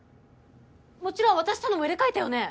もちろん渡したのも入れ替えたよね？